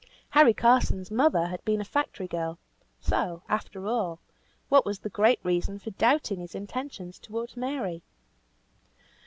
Harry Carson's mother had been a factory girl; so, after all, what was the great reason for doubting his intentions towards Mary?